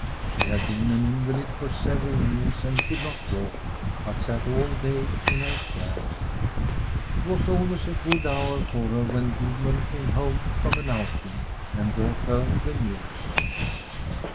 She had been an invalid for several years and could not walk, but sat all day in her chair. It was always a good hour for her when Gudmund came home from an outing and brought her the news.